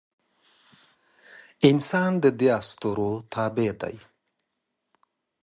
انسان د دې اسطورو تابع دی.